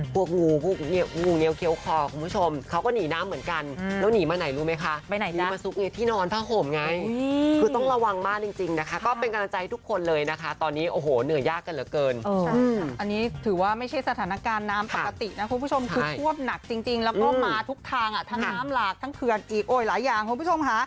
พวกงูเงียว